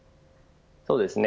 そうですね。